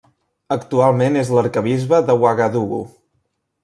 Actualment és l'arquebisbe d'Ouagadougou.